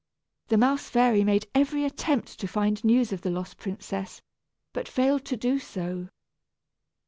The mouse fairy made every attempt to find news of the lost princess, but failed to do so.